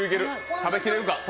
食べきれるか。